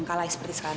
aku cuma seneng aja